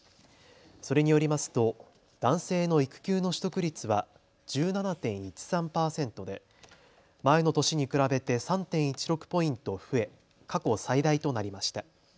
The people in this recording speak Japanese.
それによりますと男性の育休の取得率は１７．１３％で前の年に比べて３．１６ポイント増え過去最大となりました。